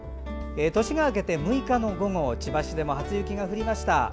年が明けた６日の午後千葉市でも初雪が降りました。